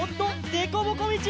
でこぼこみち！